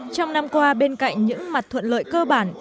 trong năm qua bên cạnh những mặt thuận lợi cơ bản